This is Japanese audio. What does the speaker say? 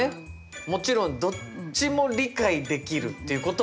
もちろんどっちも理解できるっていうことはありますもんね。